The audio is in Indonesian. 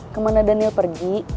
kemana daniel pergi